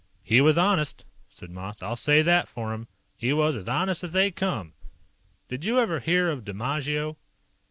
"He was honest," said Moss. "I'll say that for him. He was honest as they come. Did you ever hear of Dimaggio?"